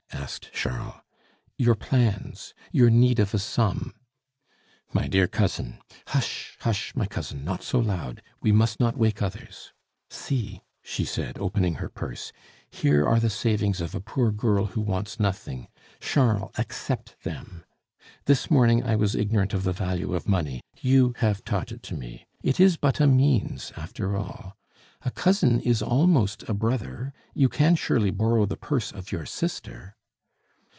asked Charles. "Your plans, your need of a sum " "My dear cousin " "Hush, hush! my cousin, not so loud; we must not wake others. See," she said, opening her purse, "here are the savings of a poor girl who wants nothing. Charles, accept them! This morning I was ignorant of the value of money; you have taught it to me. It is but a means, after all. A cousin is almost a brother; you can surely borrow the purse of your sister."